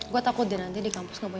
gue takut deh nanti di kampus ngebukain